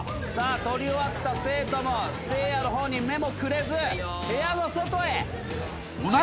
撮り終わった生徒もせいやの方に目もくれず部屋の外へ。